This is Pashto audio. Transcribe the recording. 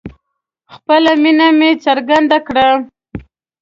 خپله مینه مې څرګنده کړه